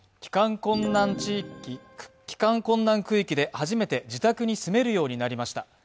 帰還困難区域で初めて自宅に住めるようになりました。